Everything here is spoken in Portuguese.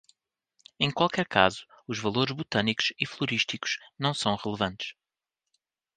Em qualquer caso, os valores botânicos e florísticos não são relevantes.